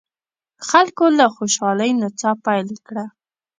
خلکو له خوشالۍ نڅا پیل کړه.